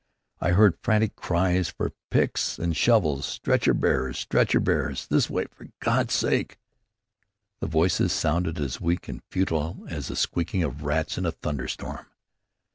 I heard frantic cries for "Picks and shovels!" "Stretcher bearers! Stretcher bearers this way, for God's sake!" The voices sounded as weak and futile as the squeaking of rats in a thunderstorm.